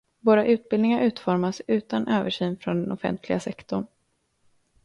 Våra utbildningar utformas utan översyn från den offentliga sektorn.